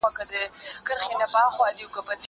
زه به اوږده موده زدکړه کړې وم؟!